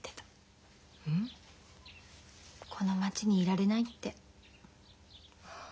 この町にいられないって。